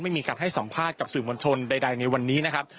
ไม่มีการให้สัมภาษณ์กับสื่อมวลชนใดในวันนี้นะครับ